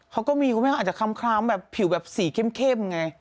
เขาก็มีคุณแม่เขาอาจจะคล้ำแบบผิวแบบสีเข้มไง